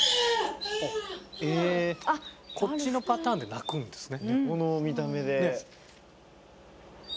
こっちのパターンで鳴くんですね。